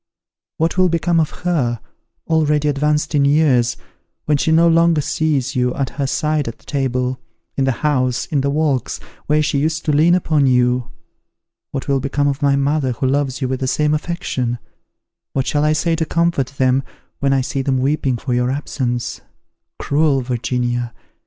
What will become of her, already advanced in years, when she no longer sees you at her side at table, in the house, in the walks, where she used to lean upon you? What will become of my mother, who loves you with the same affection? What shall I say to comfort them when I see them weeping for your absence? Cruel Virginia!